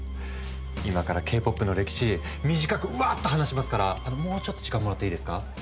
今からＫ−ＰＯＰの歴史短くワッと話しますからもうちょっと時間もらっていいですか？